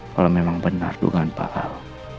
kalau memang benar dengan pak al